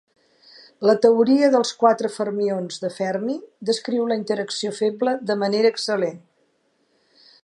La teoria dels quatre fermions de Fermi descriu la interacció feble de manera excel·lent.